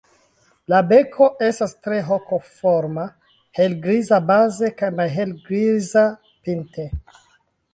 La beko estas tre hokoforma, helgriza baze kaj malhelgriza pinte.